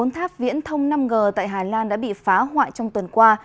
bốn tháp viễn thông năm g tại hà lan đã bị phá hoại trong tuần qua